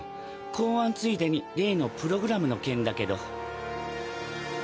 公安ついでに例のプログラムの件だけど。